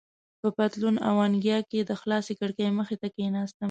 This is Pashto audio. په پتلون او انګیا کې د خلاصې کړکۍ مخې ته کېناستم.